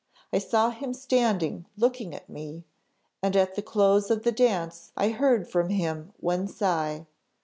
I saw him standing looking at me, and at the close of the dance I heard from him one sigh.